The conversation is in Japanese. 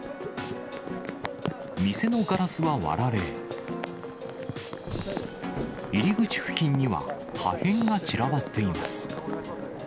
店のガラスは割られ、入り口付近には破片が散らばっています。